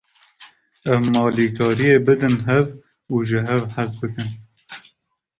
Em alîkariyê bidin hev û ji hev hez bikin.